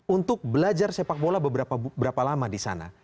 untuk belajar sepak bola beberapa lama di sana